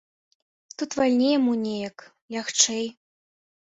Тут вальней яму неяк, лягчэй.